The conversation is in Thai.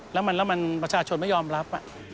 แล้วมันประชาชนไม่ยอมรับ